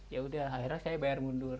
yaudah akhirnya saya bayar mundur